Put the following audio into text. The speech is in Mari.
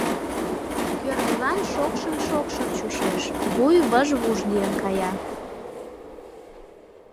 Кӧргылан шокшын-шокшын чучеш, вуй выж-вуж лийын кая.